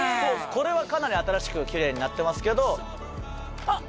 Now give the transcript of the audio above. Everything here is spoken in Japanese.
これはかなり新しくきれいになってますけどあっ！